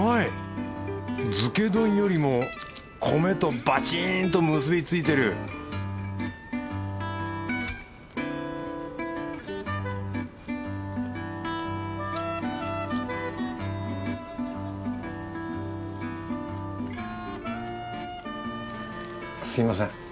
づけ丼よりも米とバチーンと結びついてるすみません。